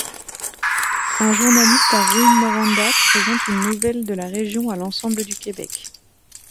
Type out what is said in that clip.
Un journaliste à Rouyn-Noranda présente une nouvelle de la région à l'ensemble du Québec.